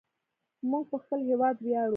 موږ په خپل هیواد ویاړو.